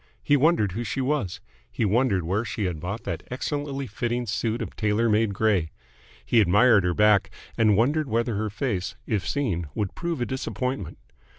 He wondered who she was. He wondered where she had bought that excellently fitting suit of tailor made grey. He admired her back, and wondered whether her face, if seen, would prove a disappointment.